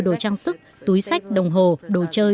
đồ trang sức túi sách đồng hồ đồ chơi